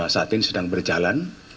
saat ini sedang berjalan